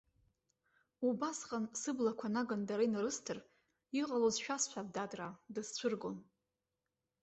Убасҟан, сыблақәа наган дара инарысҭар, иҟалоз шәасҳәап, дадраа, дысцәыргон.